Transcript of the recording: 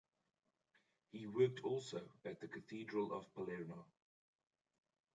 He worked also at the Cathedral of Palermo.